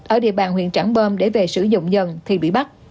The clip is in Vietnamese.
ở địa bàn huyện tráng bom để về sử dụng dần thì bị bắt